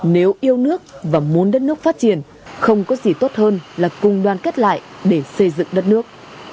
nếu yêu nước và muốn đất nước phát triển không có gì tốt hơn là cùng đoàn kết lại để xây dựng đất nước